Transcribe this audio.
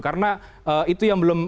karena itu yang belum